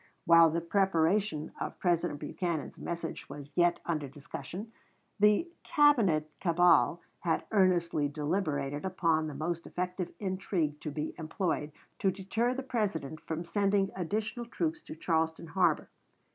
While the preparation of President Buchanan's message was yet under discussion the Cabinet cabal had earnestly deliberated upon the most effective intrigue to be employed to deter the President from sending additional troops to Charleston harbor.